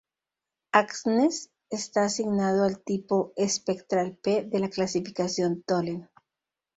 Aksnes está asignado al tipo espectral P de la clasificación Tholen.